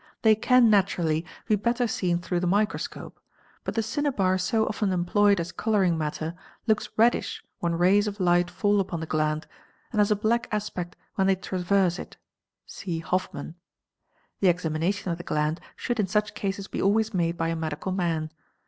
They can, naturally, be better seen through the microscope, but the. cinnabar so often employed as colouring matter looks reddish when rays of light fall upon the gland and has a black aspect when they traverse it (see Hofmann). The examination of the gland should in such cases be always made by a medical man.